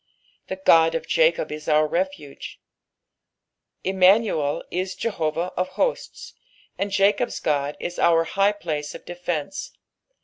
" T/ie God of Jacob u vur refuge,''' Immanuel is Jehovah of Ho^ts, and Jacob'? Ood is our high place of defence.